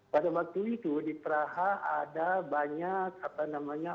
pada waktu itu di praha ada banyak apa namanya